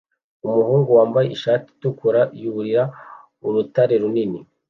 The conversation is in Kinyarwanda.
Umuhungu wambaye ishati itukura yurira urutare runini